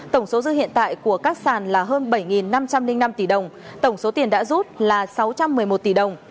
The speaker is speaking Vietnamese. tổng số dư hiện tại của các sàn là hơn bảy năm trăm linh năm tỷ đồng tổng số tiền đã rút là sáu trăm một mươi một tỷ đồng